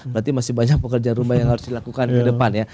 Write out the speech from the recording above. berarti masih banyak pekerjaan rumah yang harus dilakukan ke depan ya